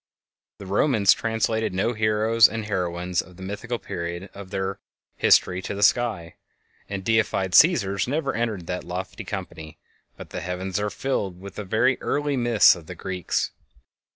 The Romans translated no heroes and heroines of the mythical period of their history to the sky, and the deified Cæsars never entered that lofty company, but the heavens are filled with the early myths of the Greeks.